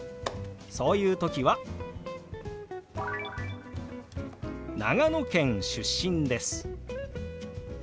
そういう時は「長野県出身です」